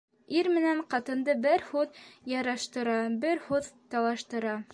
Ир менән ҡатынды бер һүҙ яраштыра, бер һүҙ талаштыра.